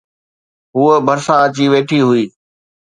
هوءَ ڀرسان اچي ويٺي هئي